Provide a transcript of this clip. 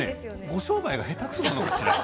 ご商売が下手くそなのかしら？